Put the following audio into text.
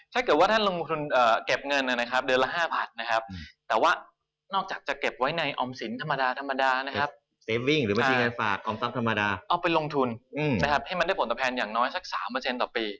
ถ้าท่านลงทุนเก็บเงินนะครับเดือนละ๕๐๐๐บาทแต่ว่านอกจากจะเก็บไว้ในออมศิลป์ธรรมดาเอาไปลงทุนให้มันได้ผลตอบแพนอย่างน้อยสัก๓ต่อปี